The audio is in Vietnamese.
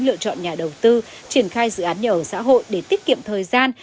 lựa chọn nhà đầu tư triển khai dự án nhà ở xã hội để tiết kiệm thời gian